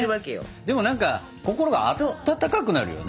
でも何か心が温かくなるよね。